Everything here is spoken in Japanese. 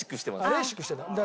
レーシックしてるんだ。